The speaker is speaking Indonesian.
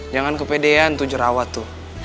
jangan kepedean tuh jerawat tuh